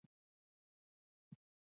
پلاره بس درنه لاړ نه شي.